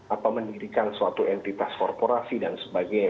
apa mendirikan suatu entitas korporasi dan sebagainya